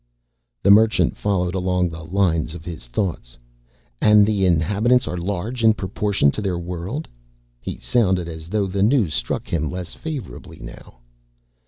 The Merchant followed along the line of his thoughts. "And the inhabitants are large in proportion to their world?" He sounded as though the news struck him less favorably now.